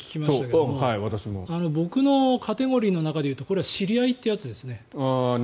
僕のカテゴリーの中で言うとこれは知り合いというやつですね。